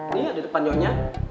ini ada depan yonya